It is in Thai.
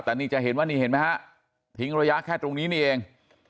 แต่นี่จะเห็นว่านี่เห็นไหมฮะทิ้งระยะแค่ตรงนี้นี่เอง